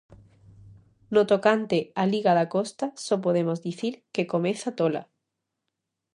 No tocante á liga da Costa, só podemos dicir, que comeza tola.